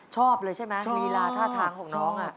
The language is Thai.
ชอบเลยใช่ไหมลีลาท่าทางของน้อง